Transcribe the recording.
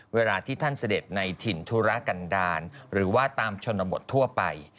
เวลาที่ท่านเสด็จในถิ่นธุระกันดาลหรือว่าตามชนบททั่วไป